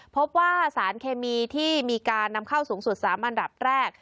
พบว่าสารเคมีที่มีการนำเข้าสูงสุด๓อันดับแรก